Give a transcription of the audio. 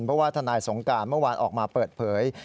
เพราะว่าทนายสงการเมื่อวานออกมาเปิดเผย